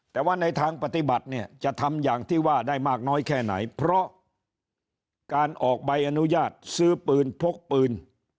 แต่ว่าในทางปฏิบัติเนี่ยจะทำอย่างที่ว่าได้มากน้อยแค่ไหนเพราะการออกใบอนุญาตซื้อปืนพกปืน